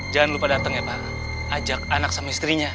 jangan lupa datang ya pak ajak anak sama istrinya